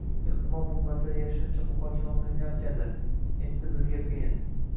Ehtimol, bu masala yashirincha muhokama qilinayotgandir, endi bizga qiyin